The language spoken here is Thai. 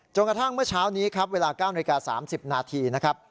กระทั่งเมื่อเช้านี้ครับเวลา๙นาฬิกา๓๐นาทีนะครับ